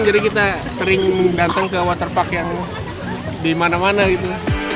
jadi kita sering datang ke waterpark yang di mana mana gitu